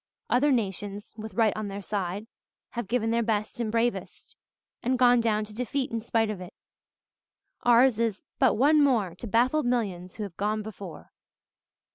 Other nations, with right on their side, have given their best and bravest and gone down to defeat in spite of it. Ours is 'but one more To baffled millions who have gone before.'"